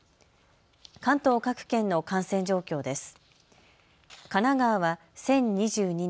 関東各県の感染状況です。